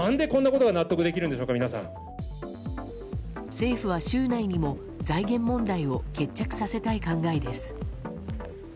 政府は週内にも財源問題を決着させたい考えです。